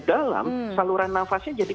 dalam saluran nafasnya jadi